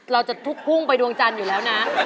เราจะทุกพุ่งไปดวงจันทร์อยู่แล้วนะ